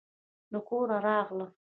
د کوره راغلم